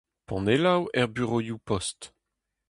Panelloù er burevioù-post.